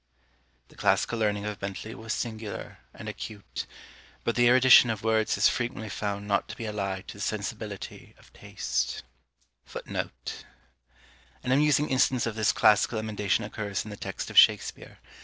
The classical learning of Bentley was singular and acute; but the erudition of words is frequently found not to be allied to the sensibility of taste. FOOTNOTES: [Footnote 100: An amusing instance of his classical emendations occurs in the text of Shakspeare.